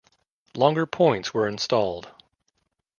Longer points were installed.